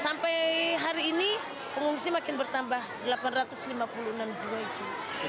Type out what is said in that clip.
sampai hari ini pengungsi makin bertambah